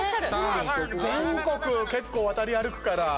全国、結構渡り歩くから。